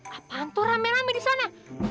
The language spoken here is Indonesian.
apaan tuh rame rame di sana